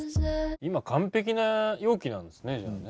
今完璧な容器なんですねじゃあね。